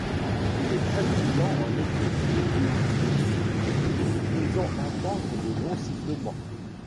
Il est très bruyant en été, surtout de nuit, faisant entendre de longs sifflements.